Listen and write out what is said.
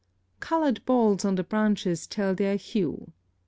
Colored balls on the branches tell their Hue.